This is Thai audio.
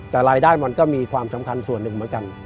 แต่รายได้มันก็มีความสำคัญส่วนหนึ่งเหมือนกัน